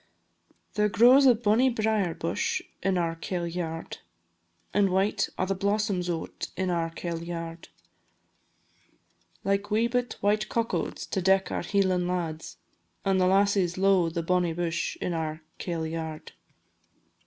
There grows a bonnie brier bush in our kail yard, And white are the blossoms o't in our kail yard, Like wee bit white cockauds to deck our Hieland lads, And the lasses lo'e the bonnie bush in our kail yard.